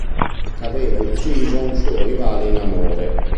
Aveva ucciso un suo rivale in amore.